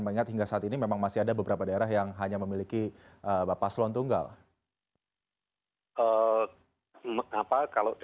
mengingat hingga saat ini memang masih ada beberapa daerah yang hanya memiliki paslon tunggal